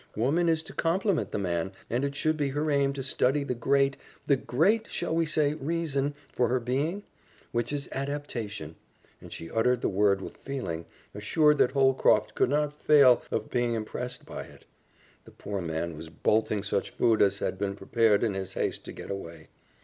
Woman is to complement the man, and it should be her aim to study the great the great shall we say reason, for her being? Which is adaptation," and she uttered the word with feeling, assured that Holcroft could not fail of being impressed by it. The poor man was bolting such food as had been prepared in his haste to get away.